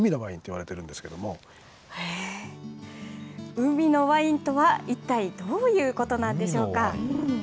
海のワインとは一体どういうことなんでしょうか。